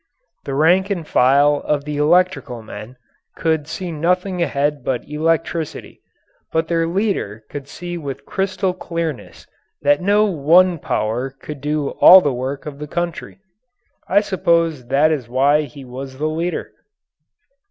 The rank and file of the electrical men could see nothing ahead but electricity, but their leader could see with crystal clearness that no one power could do all the work of the country. I suppose that is why he was the leader.